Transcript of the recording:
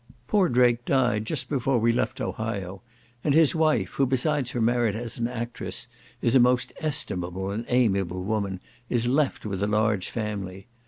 Poor Drake died just before we left Ohio, and his wife, who, besides her merit as an actress, is a most estimable and amiable woman, is left with a large family.